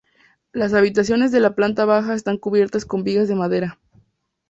Las habitaciones de la planta baja están cubiertas con vigas de madera.